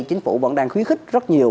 chính phủ vẫn đang khuyến khích rất nhiều